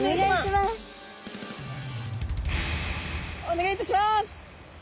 お願いいたします。